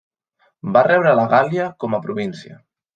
Va rebre la Gàl·lia com a província.